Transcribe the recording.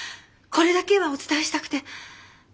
これだけはお伝えしたくて。